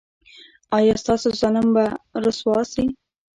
ایا ستاسو ظالم به رسوا شي؟